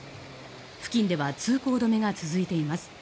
付近では通行止めが続いています。